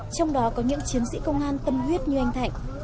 trong đó có những chiến sĩ công an tâm huyết như anh thạnh